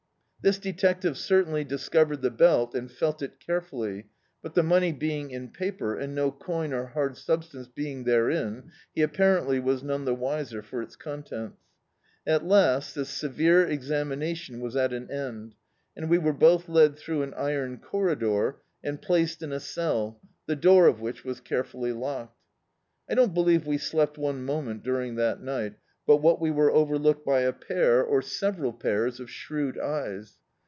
This detective certainly discovered the belt, and felt it carefully, but the money being in paper, and no coin or hard substance being therein, he apparently was none the wiser for its contents. At last this severe examination was at an end, and we were both led through an irtm corridor and placed in a cell, the door of which was carefully locked. I don't believe we slept one monent during that nig^c but what we were overlooked by a pair, or several D,i.,.db, Google A Voice in the Dark pairs of shrewd eyes.